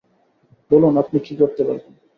বলুন, আপনি কী করতে পারবেন?